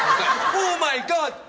オーマイガッド！